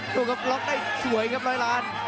ดูครับล็อกได้สวยครับร้อยล้าน